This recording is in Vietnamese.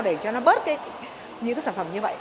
để cho nó bớt những sản phẩm như vậy